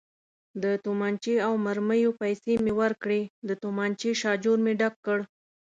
د تومانچې او مرمیو پیسې مې ورکړې، د تومانچې شاجور مې ډک کړ.